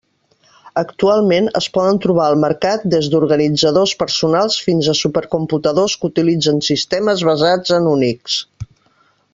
Actualment es poden trobar al mercat des d'organitzadors personals fins a supercomputadors que utilitzen sistemes basats en Unix.